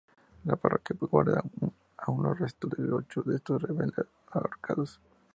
La parroquia guarda aun los restos de ocho de estos rebeldes ahorcados.